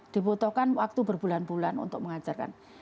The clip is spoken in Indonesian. dibutuhkan waktu berbulan bulan untuk mengajarkan